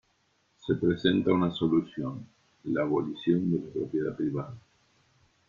Se presenta una solución: la abolición de la propiedad privada.